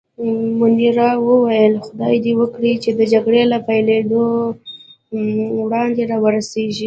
منیرا وویل: خدای دې وکړي چې د جګړې له پېلېدا وړاندې را ورسېږي.